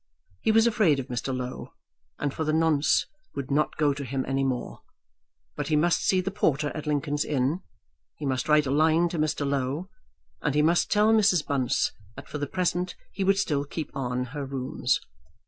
He was afraid of Mr. Low, and for the nonce would not go to him any more; but he must see the porter at Lincoln's Inn, he must write a line to Mr. Low, and he must tell Mrs. Bunce that for the present he would still keep on her rooms.